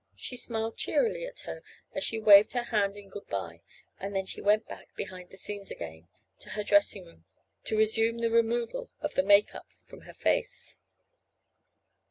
She smiled cheerily at her as she waved her hand in good bye and then she went back behind the scenes again, to her dressing room to resume the removal of the "make up" from her face.